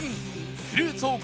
フルーツ王国